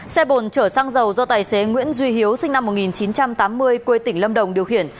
xe bồn chở xăng dầu do tài xế nguyễn duy hiếu sinh năm một nghìn chín trăm tám mươi quê tỉnh lâm đồng điều khiển